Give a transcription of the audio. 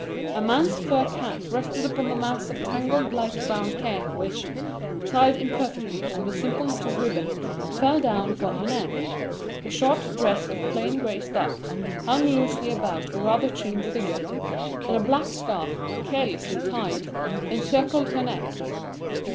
A man's fur cap rested upon the mass of tangled light brown hair which, tied imperfectly with a simple knot of ribbon, fell down upon her neck. Her short dress of plain gray stuff hung loosely about a rather trim figure; and a black scarf, carelessly tied, encircled her neck.